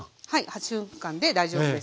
８分間で大丈夫です。